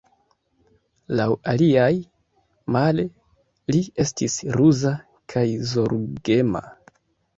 Laŭ aliaj, male, li estis ruza kaj zorgema.